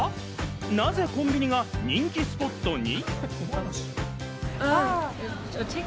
なぜコンビニが人気スポットに？